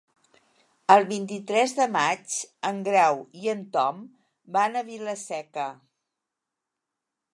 El vint-i-tres de maig en Grau i en Tom van a Vila-seca.